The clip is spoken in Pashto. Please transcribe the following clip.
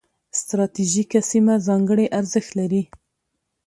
ستراتیژیکه سیمه ځانګړي ارزښت لري.